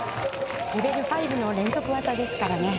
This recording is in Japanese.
レベル５の連続技ですからね